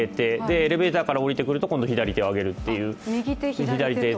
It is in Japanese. エレベーターから降りてくると左手を挙げるという。